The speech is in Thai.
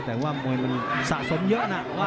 แต่ว่ามวยมันสะสมเยอะนะ